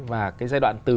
và cái giai đoạn từ đó